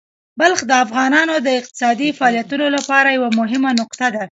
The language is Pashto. بلخ د افغانانو د اقتصادي فعالیتونو لپاره یوه مهمه نقطه ده.